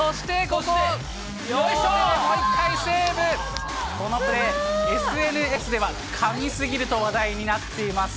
このプレー、ＳＮＳでは神すぎると話題になっています。